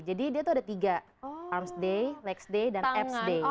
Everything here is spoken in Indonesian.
jadi dia tuh ada tiga arms day legs day dan abs day